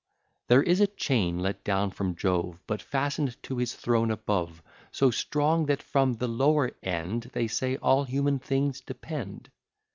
There is a chain let down from Jove, But fasten'd to his throne above, So strong that from the lower end, They say all human things depend.